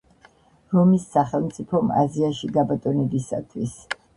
რომის სახელმწიფომ აზიაში გაბატონებისათვის.